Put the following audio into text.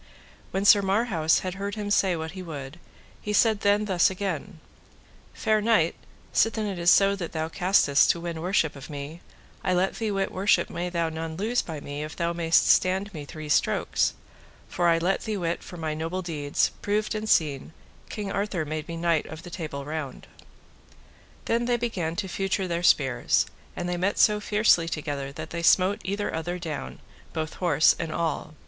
When Sir Marhaus had heard him say what he would, he said then thus again: Fair knight, sithen it is so that thou castest to win worship of me, I let thee wit worship may thou none lose by me if thou mayest stand me three strokes; for I let thee wit for my noble deeds, proved and seen, King Arthur made me Knight of the Table Round. Then they began to feutre their spears, and they met so fiercely together that they smote either other down, both horse and all.